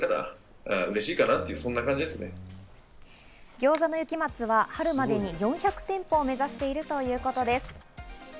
餃子の雪松は春までに４００店舗を目指しているということです。